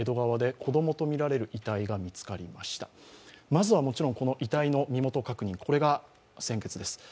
まずはもちろんこの遺体の身元確認、これが先決です。